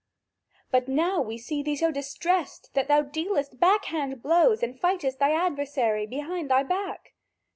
But now we see thee so distressed that thou dealest back hand blows and fightest thy adversary, behind thy back.